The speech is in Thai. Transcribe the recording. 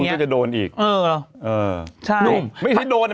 เดี๋ยวคุณกว่าจะโดนอีก